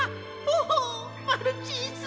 おおマルチーズ！